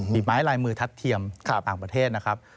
ฝีไม้ลายมือทัดเทียมต่างประเทศนะครับ